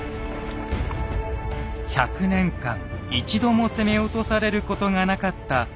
１００年間一度も攻め落とされることがなかった小田原城。